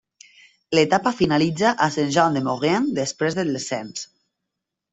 L'etapa finalitza a Saint-Jean-de-Maurienne després del descens.